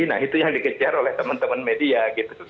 nah itu yang dikejar oleh teman teman media gitu